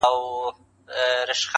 د حالاتو د گردو له تکثره_